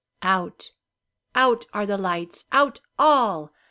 Out out are the lights out all!